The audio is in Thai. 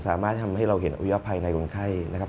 สามารถทำให้เราเห็นอุยภัยในคนไข้นะครับ